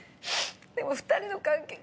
でも２人の関係。